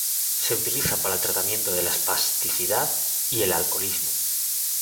Se utiliza para el tratamiento de la espasticidad y el alcoholismo.